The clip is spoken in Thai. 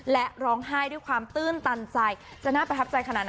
และร้องไห้ด้วยความตื้นตันใจจะน่าประทับใจขนาดไหน